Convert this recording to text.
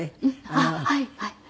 あっはいはい。